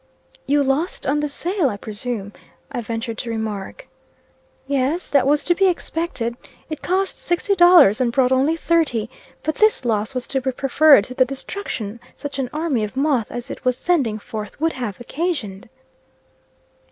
"You lost on the sale, I presume," I ventured to remark. "Yes; that was to be expected. It cost sixty dollars, and brought only thirty. But this loss was to be preferred to the destruction such an army of moth as it was sending forth, would have occasioned."